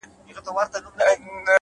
مجموعه ده د روحونو په رگو کي”